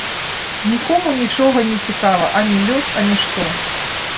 Нікому нічога не цікава, ані лёс, ані што.